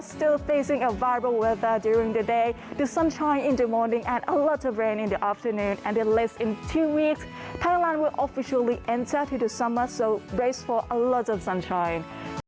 สำหรับพื้นที่กรุงเทพฯคือพื้นที่กรุงเทพฯสำหรับพื้นที่